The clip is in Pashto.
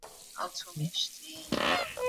حضوري ټولګي ټولنيز تعامل زيات کړی دی.